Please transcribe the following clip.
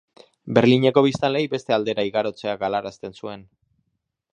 Berlineko biztanleei beste aldera igarotzea galarazten zuen.